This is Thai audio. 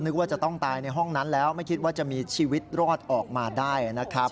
ว่าจะต้องตายในห้องนั้นแล้วไม่คิดว่าจะมีชีวิตรอดออกมาได้นะครับ